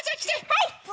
はい！